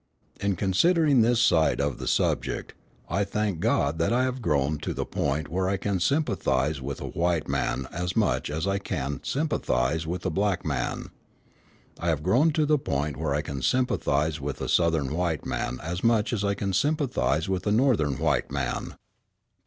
In considering this side of the subject, I thank God that I have grown to the point where I can sympathise with a white man as much as I can sympathise with a black man. I have grown to the point where I can sympathise with a Southern white man as much as I can sympathise with a Northern white man.